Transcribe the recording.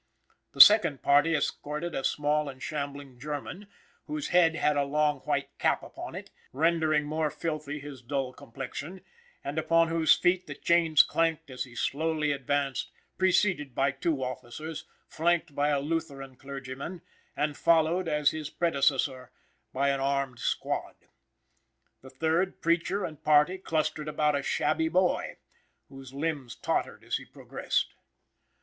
The second party escorted a small and shambling German, whose head had a long white cap upon it, rendering more filthy his dull complexion, and upon whose feet the chains clanked as he slowly advanced, preceded by two officers, flanked by a Lutheran clergyman, and followed, as his predecessor, by an armed squad. The third, preacher and party, clustered about a shabby boy, whose limbs tottered as he progressed.